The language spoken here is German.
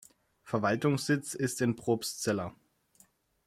Verwaltungssitz ist in Probstzella.